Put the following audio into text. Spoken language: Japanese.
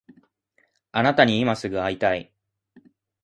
あなたに今すぐ会いたい